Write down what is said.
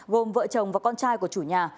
gồm vợ chồng và con trai của chủ nhà